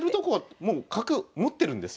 もう角持ってるんですよ。